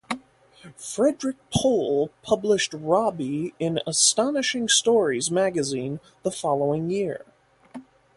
Frederik Pohl published "Robbie" in "Astonishing Stories" magazine the following year.